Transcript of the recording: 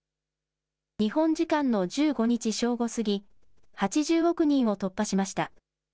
日本時間の１５日正午過ぎ、８０億人を突破しました。